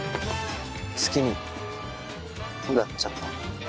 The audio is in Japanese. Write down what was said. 好きになっちゃった。